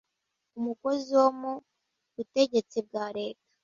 umukozi wo mu butegetsi bwa leta